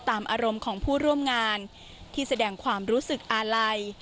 อารมณ์ของผู้ร่วมงานที่แสดงความรู้สึกอาลัย